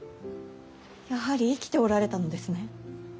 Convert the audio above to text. やはり生きておられたのですね。